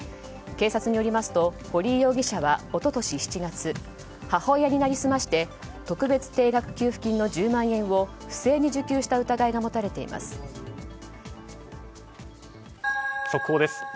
警察によりますと堀井容疑者は一昨年７月母親になりすまして特別定額給付金の１０万円を不正に受給した疑いが持たれています。